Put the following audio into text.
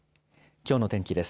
きょうの天気です。